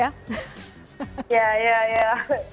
yeah yeah yeah